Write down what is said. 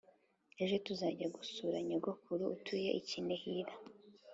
Ejo tuzajya gusura nyogokuru utuye i kinihira